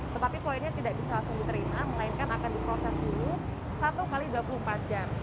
tetapi poinnya tidak bisa langsung diterima melainkan akan diproses dulu satu x dua puluh empat jam